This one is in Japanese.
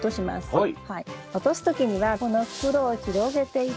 はい。